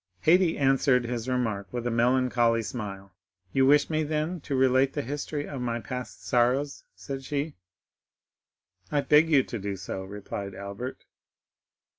Haydée answered his remark with a melancholy smile. "You wish me, then, to relate the history of my past sorrows?" said she. "I beg you to do so," replied Albert.